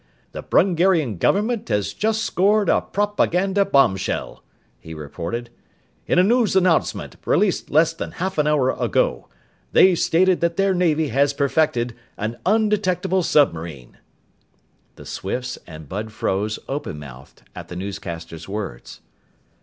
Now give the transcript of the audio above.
"The Brungarian government has just scored a propaganda bombshell!" he reported. "In a news announcement released less than half an hour ago, they stated that their Navy has perfected an undetectable submarine!" The Swifts and Bud froze, openmouthed, at the newscaster's words.